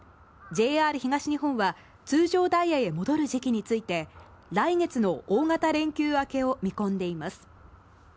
ＪＲ東日本は通常ダイヤへ戻る時期について来月の大型連休明けを見込んでいます。